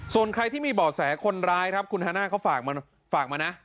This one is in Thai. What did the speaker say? ส่วนใครที่มีบ่อแสคนร้ายครับคุณฮาน่าเขาฝากมานะ